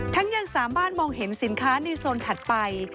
ยังสามารถมองเห็นสินค้าในโซนถัดไป